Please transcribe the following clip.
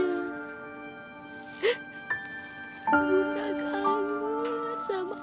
ketika kita menganggap kita sudah pukuh bud services buatmu